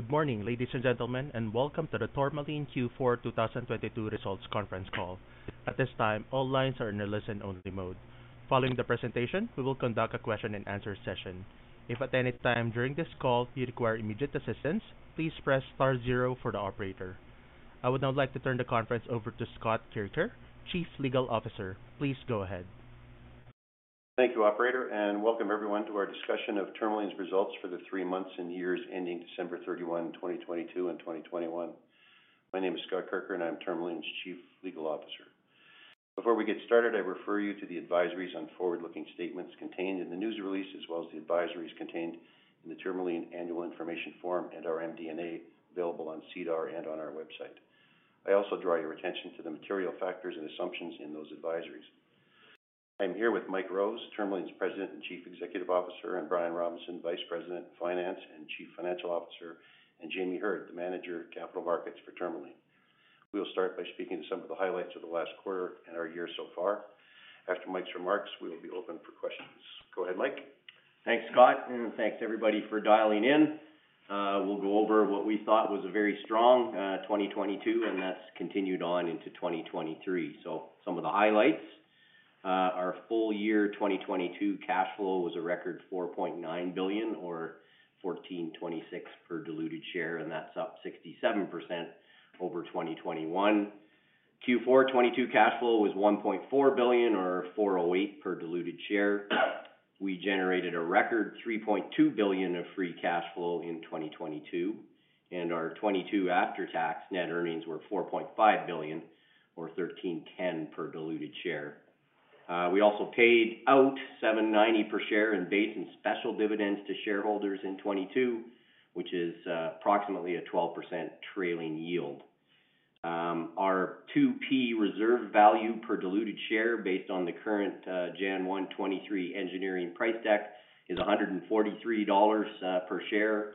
Good morning, ladies and gentlemen, and welcome to the Tourmaline Q4 2022 results conference call. At this time, all lines are in a listen-only mode. Following the presentation, we will conduct a question and answer session. If at any time during this call you require immediate assistance, please press star zero for the operator. I would now like to turn the conference over to Scott Kirker, Chief Legal Officer. Please go ahead. Thank you, operator. Welcome everyone to our discussion of Tourmaline's results for the three months and years ending December 31, 2022 and 2021. My name is Scott Kirker. I'm Tourmaline's Chief Legal Officer. Before we get started, I refer you to the advisories on forward-looking statements contained in the news release, as well as the advisories contained in the Tourmaline annual information form and our MD&A available on SEDAR and on our website. I also draw your attention to the material factors and assumptions in those advisories. I'm here with Mike Rose, Tourmaline's President and Chief Executive Officer, and Brian Robinson, Vice President of Finance and Chief Financial Officer, and Jamie Heard, the Manager of Capital Markets for Tourmaline. We'll start by speaking to some of the highlights of the last quarter and our year so far. After Mike's remarks, we will be open for questions. Go ahead, Mike. Thanks, Scott, and thanks everybody for dialing in. We'll go over what we thought was a very strong 2022, and that's continued on into 2023. Some of the highlights. Our full year 2022 cash flow was a record 4.9 billion or 14.26 per diluted share, and that's up 67% over 2021. Q4 2022 cash flow was 1.4 billion or 4.80 per diluted share. We generated a record 3.2 billion of free cash flow in 2022, and our 2022 after-tax net earnings were 4.5 billion or 13.10 per diluted share. We also paid out 7.90 per share in base and special dividends to shareholders in 2022, which is approximately a 12% trailing yield. Our 2P reserve value per diluted share based on the current, January 1, 2023 engineering price deck is 143 dollars per share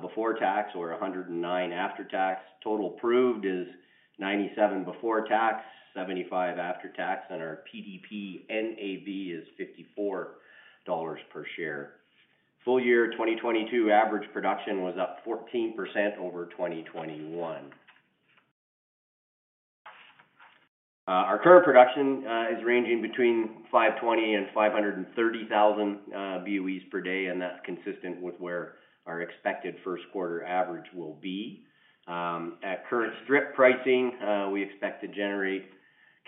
before tax or 109 after tax. Total proved is 97 before tax, 75 after tax. Our PDP NAV is 54 dollars per share. Full year 2022 average production was up 14% over 2021. Our current production is ranging between 520,000 and 530,000 BOEs per day. That's consistent with where our expected first quarter average will be. At current strip pricing, we expect to generate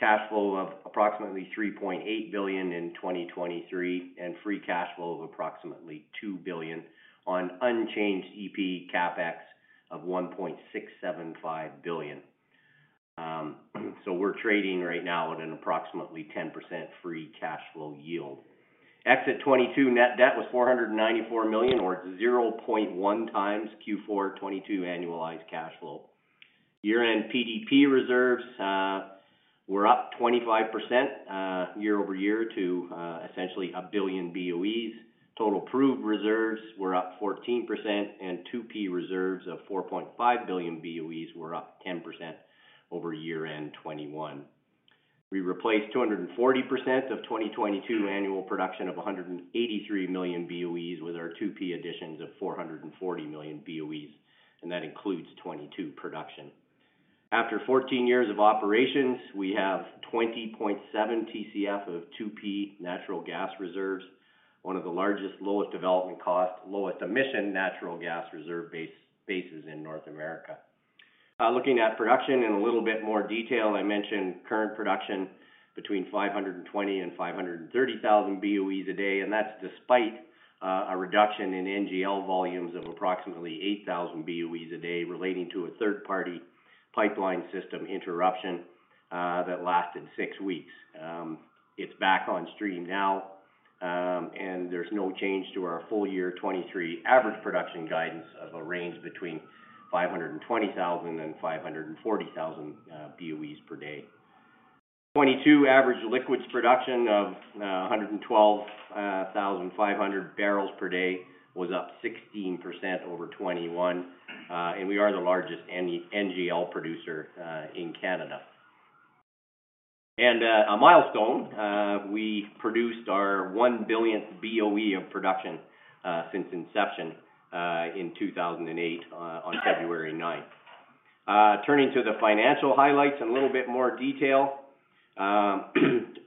cash flow of approximately 3.8 billion in 2023. Free cash flow of approximately 2 billion on unchanged EP CapEx of 1.675 billion. We're trading right now at an approximately 10% free cash flow yield. Exit 2022 net debt was 494 million or 0.1 times Q4 2022 annualized cash flow. Year-end PDP reserves were up 25% year-over-year to essentially 1 billion BOEs. Total proved reserves were up 14% and 2P reserves of 4.5 billion BOEs were up 10% over year-end 2021. We replaced 240% of 2022 annual production of 183 million BOEs with our 2P additions of 440 million BOEs, and that includes 2022 production. After 14 years of operations, we have 20.7 TCF of 2P natural gas reserves, one of the largest, lowest development cost, lowest emission natural gas reserve bases in North America. Looking at production in a little bit more detail, I mentioned current production between 520,000 and 530,000 BOEs a day, that's despite a reduction in NGL volumes of approximately 8,000 BOEs a day relating to a third-party pipeline system interruption that lasted six weeks. It's back on stream now, there's no change to our full year 2023 average production guidance of a range between 520,000 and 540,000 BOEs per day. 2022 average liquids production of 112,500 barrels per day was up 16% over 2021. We are the largest NGL producer in Canada. A milestone, we produced our 1 billionth BOE of production since inception in 2008 on February 9th. Turning to the financial highlights in a little bit more detail.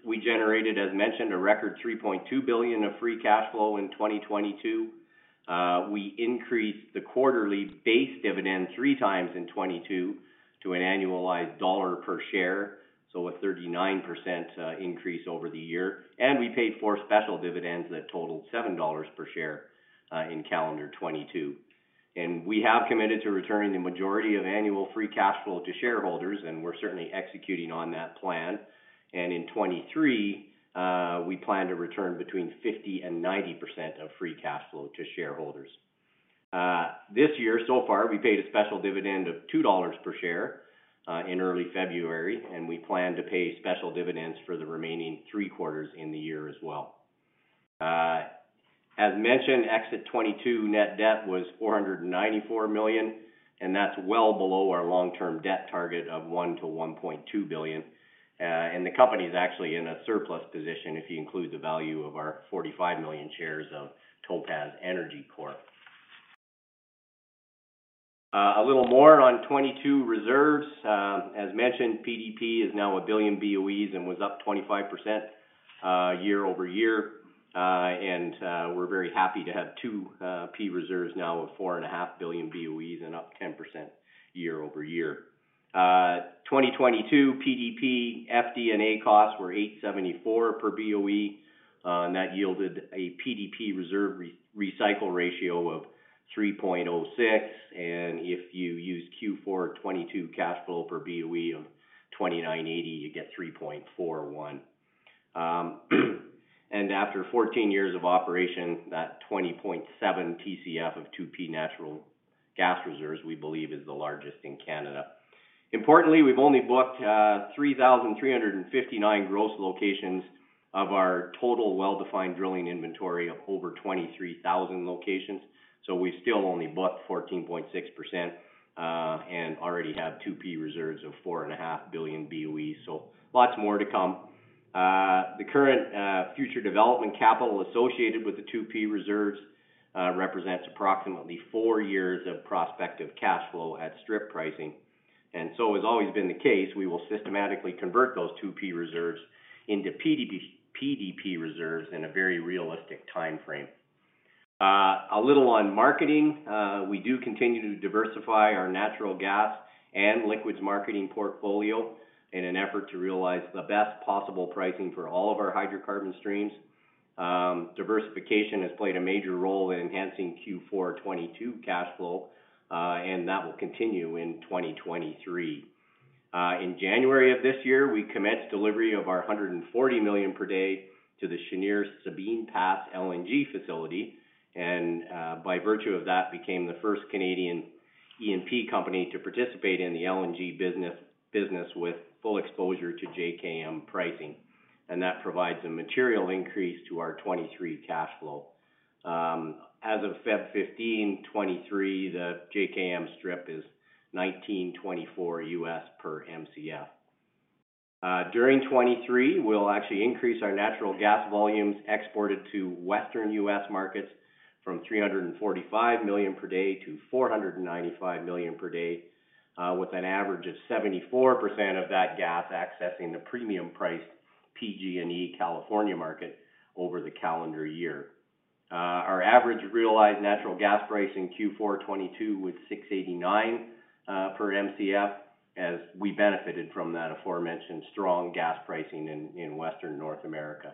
We generated, as mentioned, a record 3.2 billion of free cash flow in 2022. We increased the quarterly base dividend three times in 2022 to an annualized CAD 1 per share. A 39% increase over the year. We paid four special dividends that totaled 7 dollars per share in calendar 2022. We have committed to returning the majority of annual free cash flow to shareholders, and we're certainly executing on that plan. In 2023, we plan to return between 50% and 90% of free cash flow to shareholders. These year so far, we paid a special dividend of 2 dollars per share in early February, and we plan to pay special dividends for the remaining three quarters in the year as well. As mentioned, exit 2022 net debt was 494 million. And that's well below our long-term debt target of 1 billion-1.2 billion. And the company is actually in a surplus position if you include the value of our 45 million shares of Topaz Energy Corp. A little more on 2022 reserves. As mentioned, PDP is now 1 billion BOEs and was up 25% year-over-year. And we're very happy to have 2P reserves now of 4.5 billion BOEs and up 10% year-over-year. 2022 PDP FD&A costs were 8.74 per BOE, that yielded a PDP reserve re-recycle ratio of 3.06. If you use Q4 2022 cash flow per BOE of 29.80, you get 3.41. After 14 years of operation, that 20.7 TCF of 2P natural gas reserves, we believe is the largest in Canada. Importantly, we've only booked 3,359 gross locations of our total well-defined drilling inventory of over 23,000 locations. We've still only booked 14.6%, and already have 2P reserves of 4.5 billion BOEs. Lots more to come. The current future development capital associated with the 2P reserves represents approximately four years of prospective cash flow at strip pricing. As always been the case, we will systematically convert those 2P reserves into PDP reserves in a very realistic timeframe. A little on marketing. We do continue to diversify our natural gas and liquids marketing portfolio in an effort to realize the best possible pricing for all of our hydrocarbon streams. Diversification has played a major role in enhancing Q4 2022 cash flow, and that will continue in 2023. In January of this year, we commenced delivery of our 140 million per day to the Cheniere Sabine Pass LNG facility, and by virtue of that, became the first Canadian E&P company to participate in the LNG business with full exposure to JKM pricing. That provides a material increase to our 2023 cash flow. As of February 15, 2023, the JKM strip is $19.24 per Mcf. During 2023, we'll actually increase our natural gas volumes exported to Western U.S. markets from 345 million per day to 495 million per day, with an average of 74% of that gas accessing the premium priced PG&E California market over the calendar year. Our average realized natural gas pricing Q4 2022 was 6.89 per Mcf as we benefited from that aforementioned strong gas pricing in Western North America.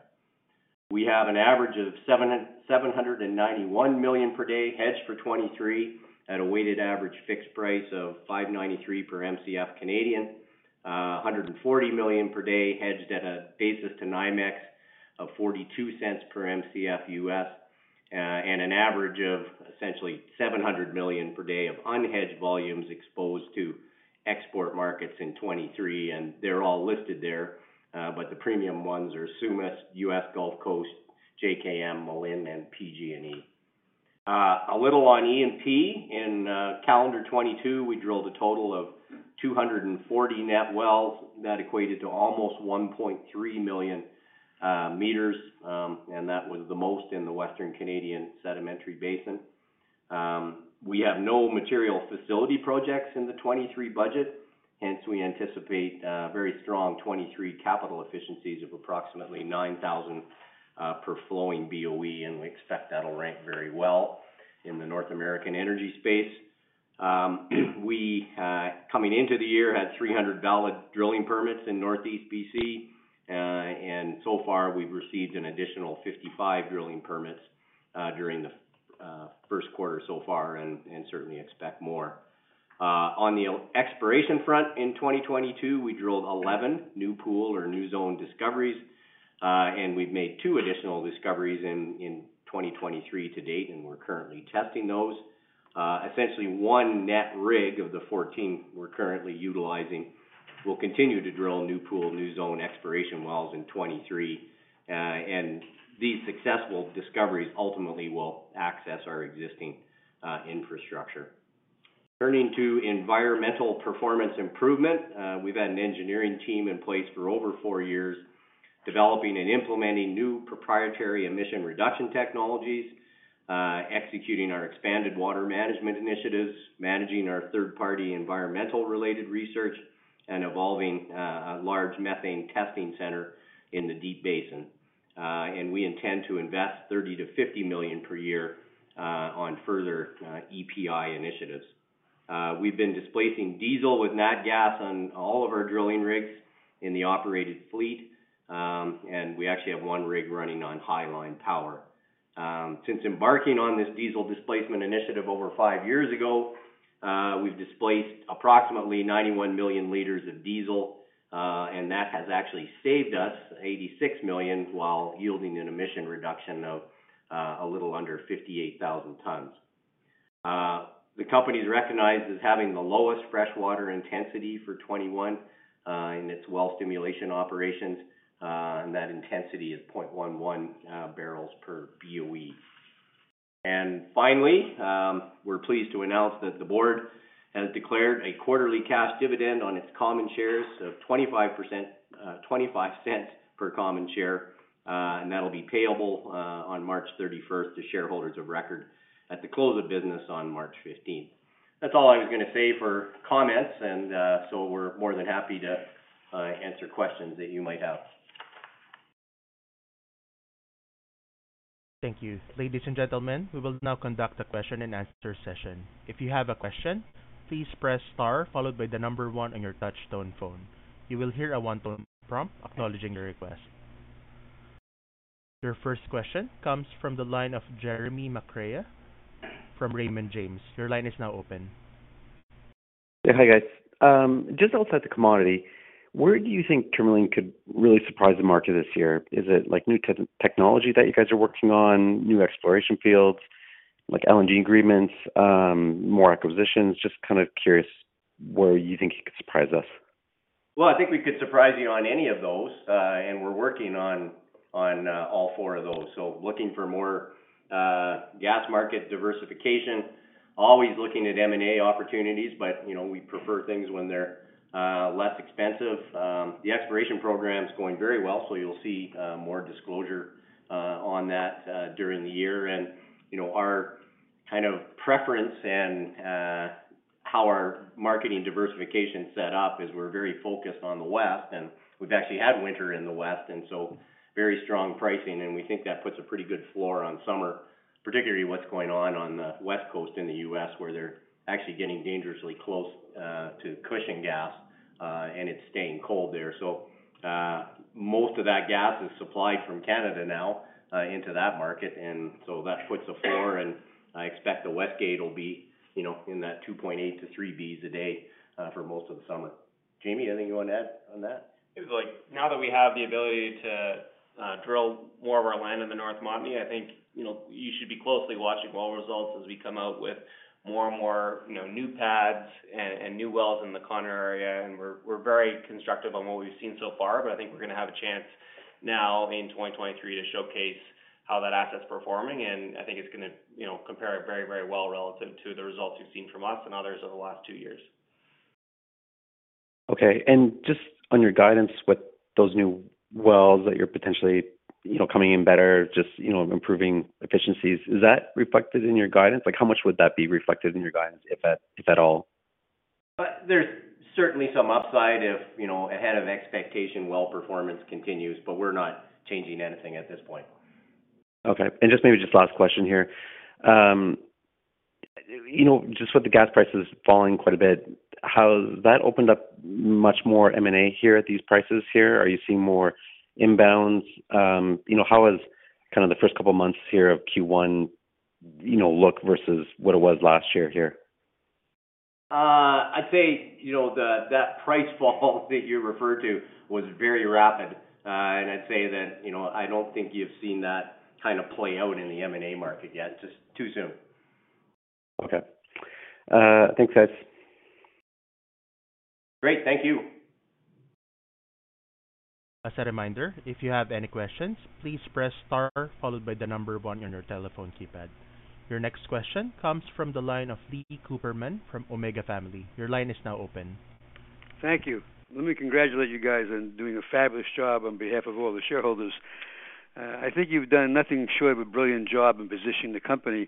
We have an average of 791 million per day hedged for 2023 at a weighted average fixed price of 5.93 per Mcf Canadian. 140 million per day hedged at a basis to NYMEX of $0.42 per Mcf US, and an average of essentially 700 million per day of unhedged volumes exposed to export markets in 2023. They're all listed there, but the premium ones are Sumas, US Gulf Coast, JKM, Malin, and PG&E. A little on E&P. In calendar 2022, we drilled a total of 240 net wells. That equated to almost 1.3 million meters, and that was the most in the Western Canadian Sedimentary Basin. We have no material facility projects in the 2023 budget, hence we anticipate very strong 2023 capital efficiencies of approximately 9,000 per flowing BOE, and we expect that'll rank very well in the North American energy space. We, coming into the year, had 300 valid drilling permits in Northeast BC, and so far, we've received an additional 55 drilling permits during the first quarter so far and certainly expect more. On the exploration front in 2022, we drilled 11 new pool or new zone discoveries, and we've made two additional discoveries in 2023 to date, and we're currently testing those. Essentially one net rig of the 14 we're currently utilizing will continue to drill new pool, new zone exploration wells in 2023. And these successful discoveries ultimately will access our existing infrastructure. Turning to environmental performance improvement, we've had an engineering team in place for over four years developing and implementing new proprietary emission reduction technologies, executing our expanded water management initiatives, managing our third-party environmental related research, and evolving a large methane testing center in the Deep Basin. We intend to invest 30 million-50 million per year on further EPI initiatives. We've been displacing diesel with nat gas on all of our drilling rigs in the operated fleet, and we actually have one rig running on highline power. Since embarking on this diesel displacement initiative over five years ago, we've displaced approximately 91 million liters of diesel, and that has actually saved us 86 million while yielding an emission reduction of a little under 58,000 tons. The company is recognized as having the lowest freshwater intensity for 2021, in its well stimulation operations, and that intensity is 0.11 barrels per BOE. Finally, we're pleased to announce that the board has declared a quarterly cash dividend on its common shares of 0.25 per common share. That'll be payable on March 31st to shareholders of record at the close of business on March 15th. That's all I was gonna say for comments. We're more than happy to answer questions that you might have. Thank you. Ladies and gentlemen, we will now conduct a question-and-answer session. If you have a question, please press star followed by the number one on your touch-tone phone. You will hear a one-tone prompt acknowledging your request. Your first question comes from the line of Jeremy McCrea from Raymond James. Your line is now open. Yeah. Hi, guys. Just outside the commodity, where do you think Tourmaline could really surprise the market this year? Is it, like, new tech, technology that you guys are working on, new exploration fields, like LNG agreements, more acquisitions? Just kinda curious where you think you could surprise us. Well, I think we could surprise you on any of those. We're working on all four of those. Looking for more gas market diversification, always looking at M&A opportunities, but, you know, we prefer things when they're less expensive. The exploration program's going very well, so you'll see more disclosure on that during the year. You know, our kind of preference and how our marketing diversification set up is we're very focused on the West, and we've actually had winter in the West, so very strong pricing, and we think that puts a pretty good floor on summer, particularly what's going on on the West Coast in the U.S., where they're actually getting dangerously close to cushion gas, and it's staying cold there. Most of that gas is supplied from Canada now into that market, and so that puts a floor, and I expect the Westgate will be, you know, in that 2.8-3 Bs a day for most of the summer. Jamie, anything you wanna add on that? It's like now that we have the ability to drill more of our land in the North Montney, I think, you know, you should be closely watching well results as we come out with more and more, you know, new pads and new wells in the Gundy area. We're very constructive on what we've seen so far, but I think we're gonna have a chance now in 2023 to showcase how that asset's performing. I think it's gonna, you know, compare very, very well relative to the results you've seen from us and others over the last two years. Okay. Just on your guidance, with those new wells that you're potentially, you know, coming in better, just, you know, improving efficiencies, is that reflected in your guidance? Like, how much would that be reflected in your guidance, if at all? There's certainly some upside if, you know, ahead of expectation well performance continues, but we're not changing anything at this point. Okay. Just maybe just last question here. You know, just with the gas prices falling quite a bit, that opened up much more M&A here at these prices here. Are you seeing more inbounds? You know, how is kind of the first couple months here of Q1, you know, look versus what it was last year here? I'd say, you know, the, that price fall that you referred to was very rapid. I'd say that, you know, I don't think you've seen that kinda play out in the M&A market yet. Just too soon. Okay. Thanks, guys. Great. Thank you. As a reminder, if you have any questions, please press star followed by one on your telephone keypad. Your next question comes from the line of Lee Cooperman from Omega Family. Your line is now open. Thank you. Let me congratulate you guys on doing a fabulous job on behalf of all the shareholders. I think you've done nothing short of a brilliant job in positioning the company.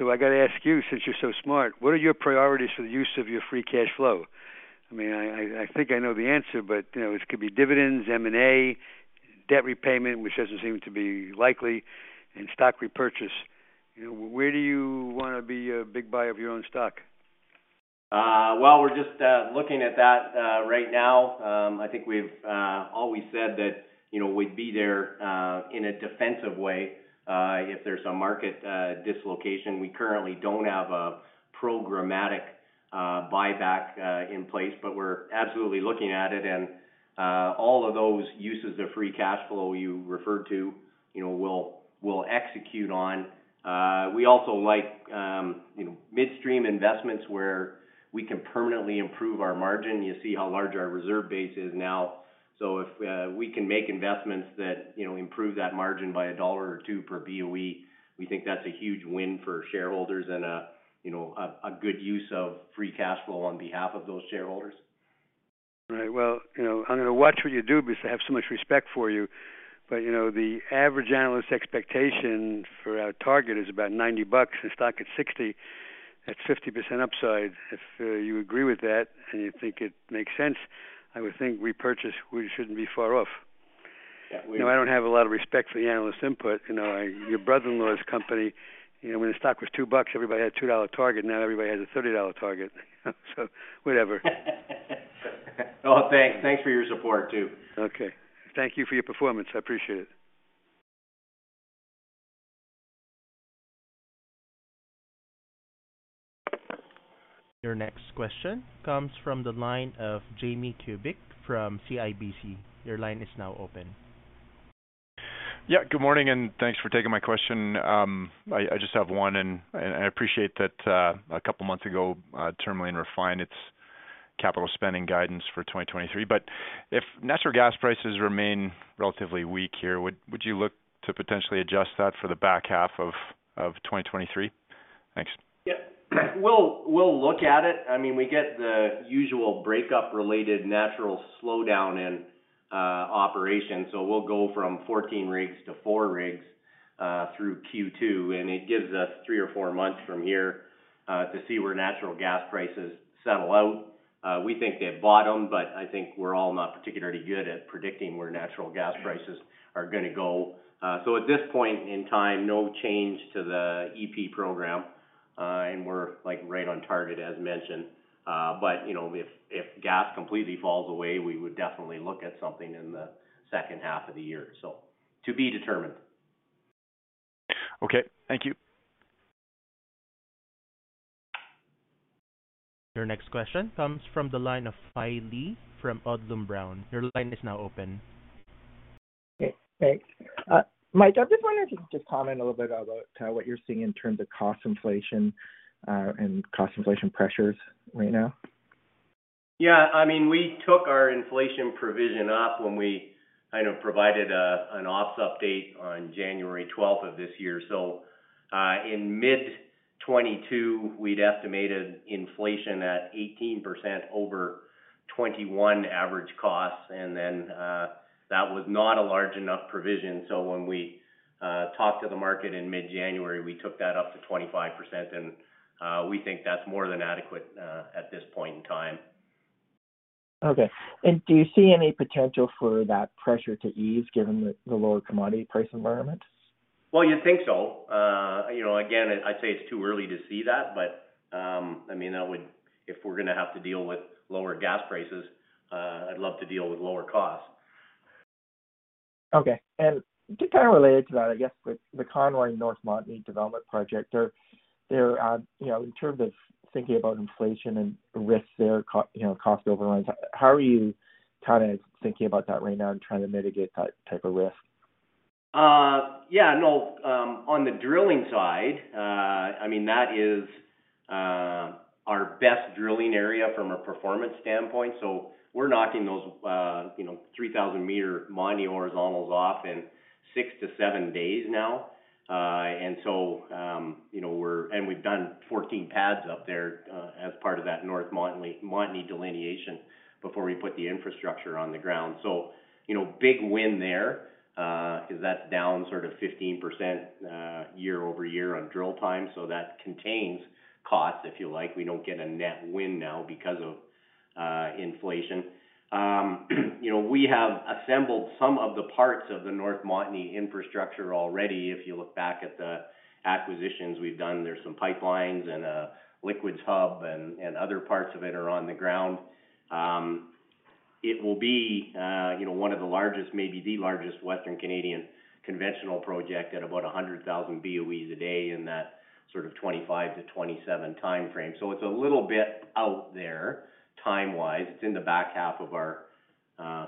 I gotta ask you, since you're so smart, what are your priorities for the use of your free cash flow? I mean, I, I think I know the answer, but, you know, it could be dividends, M&A, debt repayment, which doesn't seem to be likely, and stock repurchase. You know, where do you wanna be a big buyer of your own stock? Well, we're just looking at that right now. I think we've always said that, you know, we'd be there in a defensive way, if there's a market dislocation. We currently don't have a programmatic buyback in place, but we're absolutely looking at it. All of those uses of free cash flow you referred to, you know, we'll execute on. We also like, you know, midstream investments where we can permanently improve our margin. You see how large our reserve base is now. If we can make investments that, you know, improve that margin by $1 or $2 per BOE, we think that's a huge win for shareholders and a, you know, a good use of free cash flow on behalf of those shareholders. Well, you know, I'm gonna watch what you do because I have so much respect for you. You know, the average analyst expectation for our target is about 90 bucks. The stock is 60. That's 50% upside. If you agree with that, and you think it makes sense, I would think repurchase, we shouldn't be far off. Yeah. You know, I don't have a lot of respect for the analyst input. You know, your brother-in-law's company, you know, when the stock was 2 bucks, everybody had a CAD 2 target. Now everybody has a CAD 30 target. Whatever. Oh, thanks. Thanks for your support too. Okay. Thank you for your performance. I appreciate it. Your next question comes from the line of Jamie Kubik from CIBC. Your line is now open. Yeah. Good morning, and thanks for taking my question. I just have one, and I appreciate that a couple of months ago, Tourmaline refined its Capital spending guidance for 2023. If natural gas prices remain relatively weak here, would you look to potentially adjust that for the back half of 2023? Thanks. Yeah. We'll look at it. I mean, we get the usual breakup-related natural slowdown in operations. We'll go from 14 rigs to four rigs through Q2. It gives us three or four months from here to see where natural gas prices settle out. We think they've bottomed. I think we're all not particularly good at predicting where natural gas prices are gonna go. At this point in time, no change to the EP program. We're, like, right on target, as mentioned. You know, if gas completely falls away, we would definitely look at something in the second half of the year. To be determined. Okay. Thank you. Your next question comes from the line of Fai Lee from Odlum Brown. Your line is now open. Okay. Thanks. Mike, I just wanted to just comment a little bit about, what you're seeing in terms of cost inflation, and cost inflation pressures right now. I mean, we took our inflation provision up when we kind of provided an ops update on January 12th of this year. In mid 2022, we'd estimated inflation at 18% over 2021 average costs. That was not a large enough provision. When we talked to the market in mid-January, we took that up to 25%. We think that's more than adequate at this point in time. Okay. Do you see any potential for that pressure to ease given the lower commodity price environment? You think so. You know, again, I'd say it's too early to see that, but, I mean, if we're gonna have to deal with lower gas prices, I'd love to deal with lower costs. Okay. Just kinda related to that, I guess, with the Conroy North Montney development project. They're, you know, in terms of thinking about inflation and risks there, you know, cost overruns, how are you kinda thinking about that right now and trying to mitigate that type of risk? Yeah. No. On the drilling side, I mean, that is our best drilling area from a performance standpoint. We're knocking those, you know, 3,000 meter Montney horizontals off in six to seven days now. You know, we've done 14 pads up there as part of that North Montney delineation before we put the infrastructure on the ground. You know, big win there, 'cause that's down sort of 15% year-over-year on drill time, so that contains costs, if you like. We don't get a net win now because of inflation. You know, we have assembled some of the parts of the North Montney infrastructure already. You look back at the acquisitions we've done, there's some pipelines and a liquids hub and other parts of it are on the ground. It will be, you know, one of the largest, maybe the largest Western Canadian conventional project at about 100,000 BOEs a day in that sort of 2025-2027 timeframe. It's a little bit out there time-wise. It's in the back half of our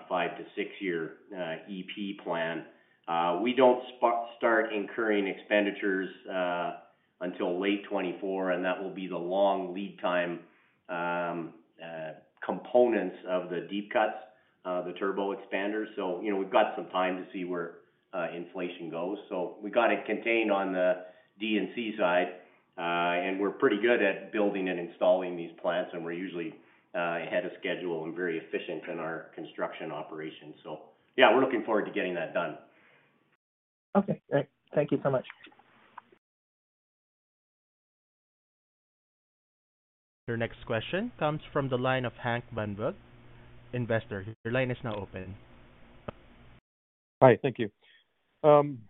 five to six year EP plan. We don't start incurring expenditures until late 2024, and that will be the long lead time components of the deep cuts, the turbo expanders. You know, we've got some time to see where inflation goes. We got it contained on the D&C side. We're pretty good at building and installing these plants, and we're usually ahead of schedule and very efficient in our construction operations. Yeah, we're looking forward to getting that done. Okay. Great. Thank you so much. Your next question comes from the line of Hank Van Bug, investor. Your line is now open. Hi. Thank you. Tourmaline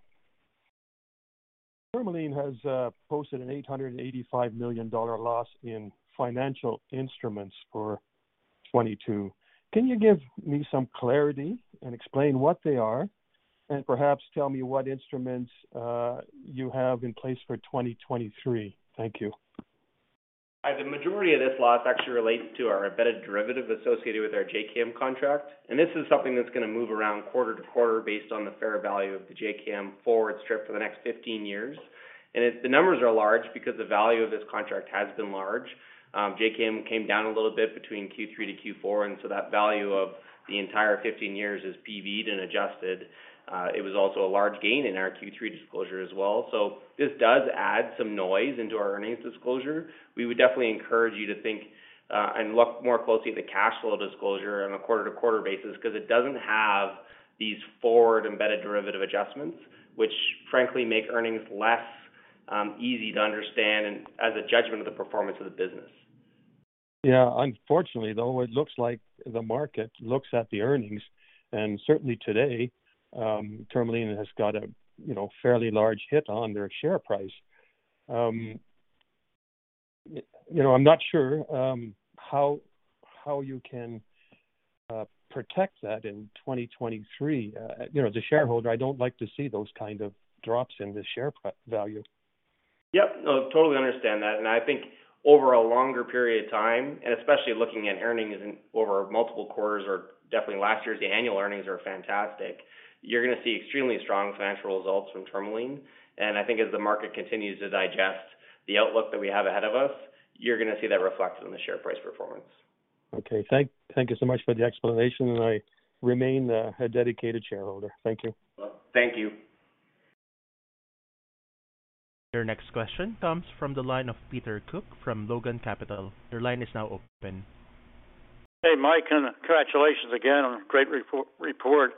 has posted a 885 million dollar loss in financial instruments for 2022. Can you give me some clarity and explain what they are, and perhaps tell me what instruments you have in place for 2023? Thank you. The majority of this loss actually relates to our embedded derivative associated with our JKM contract, this is something that's gonna move around quarter to quarter based on the fair value of the JKM forward strip for the next 15 years. The numbers are large because the value of this contract has been large. JKM came down a little bit between Q3 to Q4, that value of the entire 15 years is PV'd and adjusted. It was also a large gain in our Q3 disclosure as well. This does add some noise into our earnings disclosure. We would definitely encourage you to think and look more closely at the cash flow disclosure on a quarter-to-quarter basis cause it doesn't have these forward embedded derivative adjustments, which frankly make earnings less easy to understand and as a judgment of the performance of the business. Yeah. Unfortunately, though, it looks like the market looks at the earnings, and certainly today, Tourmaline has got a, you know, fairly large hit on their share price. You know, I'm not sure how you can protect that in 2023. You know, as a shareholder, I don't like to see those kind of drops in the share value. Yep. No, totally understand that. I think over a longer period of time, and especially looking at earnings over multiple quarters or definitely last year's, the annual earnings are fantastic. You're gonna see extremely strong financial results from Tourmaline. I think as the market continues to digest the outlook that we have ahead of us, you're gonna see that reflected in the share price performance. Okay. Thank you so much for the explanation. I remain a dedicated shareholder. Thank you. Thank you. Your next question comes from the line of Peter Cooke from Logan Capital. Your line is now open. Hey, Mike, congratulations again on a great repo-report.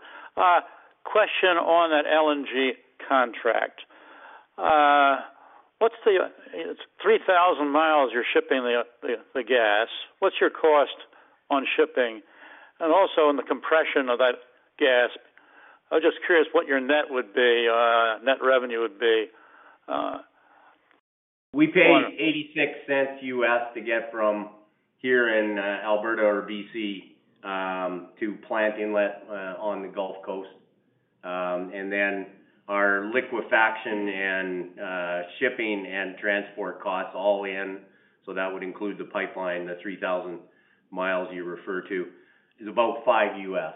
Question on that LNG contract. It's 3,000 miles you're shipping the gas. What's your cost on shipping? Also, in the compression of that gas, I'm just curious what your net would be, net revenue would be. We pay $0.86 to get from here in Alberta or BC to plant inlet on the Gulf Coast. Then our liquefaction and shipping and transport costs all in, so that would include the pipeline, the 3,000 miles you refer to, is about $5.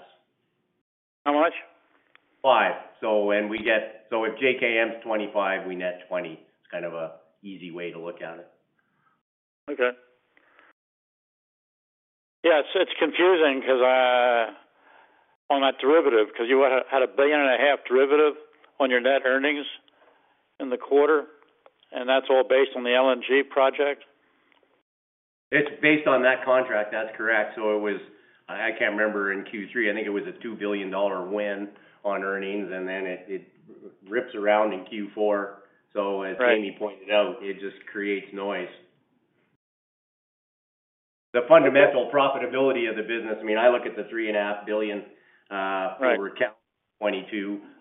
How much? $5. If JKM is $25, we net $20. It's kind of an easy way to look at it. Okay. Yeah, it's confusing 'cause on that derivative, 'cause you had a billion and a half derivative on your net earnings in the quarter. That's all based on the LNG project. It's based on that contract. That's correct. I can't remember in Q3. I think it was a 2 billion dollar win on earnings, and then it rips around in Q4. As Jamie pointed out, it just creates noise. The fundamental profitability of the business, I mean, I look at the 3.5 billion over 22.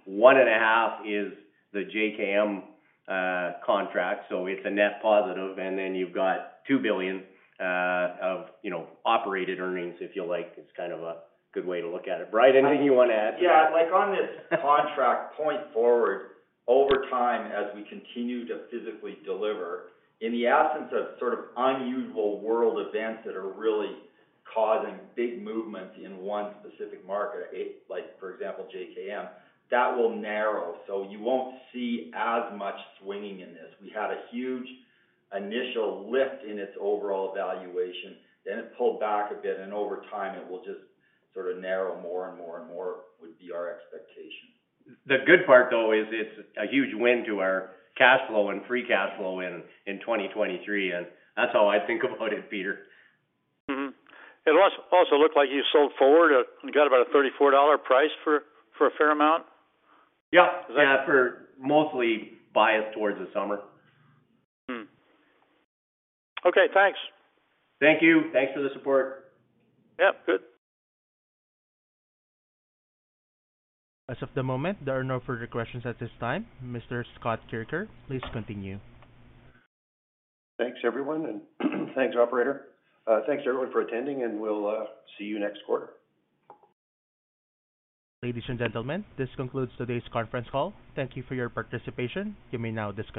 1.5 billion is the JKM contract, so it's a net positive. Then you've got 2 billion of, you know, operated earnings, if you like. It's kind of a good way to look at it. Bryan, anything you wanna add? Yeah. Like, on this contract point forward, over time, as we continue to physically deliver, in the absence of sort of unusual world events that are really causing big movements in one specific market, like for example, JKM, that will narrow. You won't see as much swinging in this. We had a huge initial lift in its overall evaluation, then it pulled back a bit. Over time, it will just sort of narrow more and more and more, would be our expectation. The good part, though, is it's a huge win to our cash flow and free cash flow in 2023. That's how I think about it, Peter. Mm-hmm. It also looked like you sold forward. You got about a $34 price for a fair amount. Yeah. Yeah. For mostly biased towards the summer. Okay, thanks. Thank you. Thanks for the support. Yeah, good. As of the moment, there are no further questions at this time. Mr. Scott Kirker, please continue. Thanks, everyone, and thanks, operator. Thanks everyone for attending, and we'll see you next quarter. Ladies and gentlemen, this concludes today's conference call. Thank you for your participation. You may now disconnect.